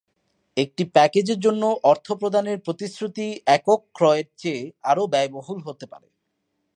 একটি প্যাকেজের জন্য অর্থ প্রদানের প্রতিশ্রুতি একক ক্রয়ের চেয়ে আরও ব্যয়বহুল হতে পারে।